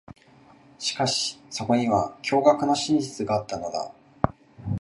しかし、そこには驚愕の真実があったのだ。